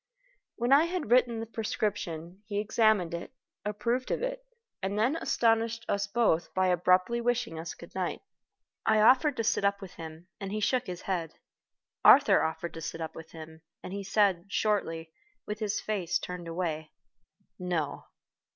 When I had written the prescription, he examined it, approved of it, and then astonished us both by abruptly wishing us good night. I offered to sit up with him, and he shook his head. Arthur offered to sit up with him, and he said, shortly, with his face turned away, "No."